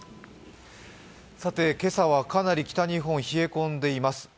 今朝はかなり北日本、冷え込んでいます。